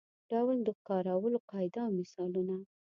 ډول د کارولو قاعده او مثالونه.